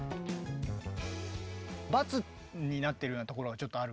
「×」になっているようなところがちょっとあるけど。